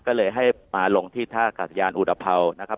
ก็เลยให้มาลงที่ท่ากาศยานอุตภัวนะครับ